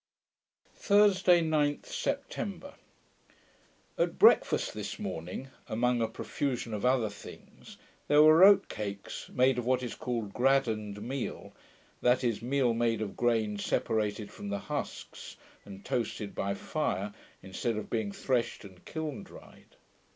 Thursday, 9th September At breakfast this morning, among a profusion of other things, there were oat cakes, made of what is called graddaned meal, that is, meal made of grain separated from the husks, and toasted by fire, instead of being threshed and kiln dried.